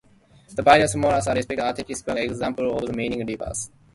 The Velika Morava represents a textbook example of a meandering river.